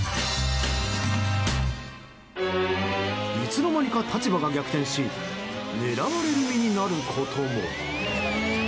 いつの間にか立場が逆転し狙われる身になることも。